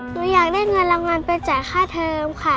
หนูอยากได้เงินรางวัลไปจ่ายค่าเทิมค่ะ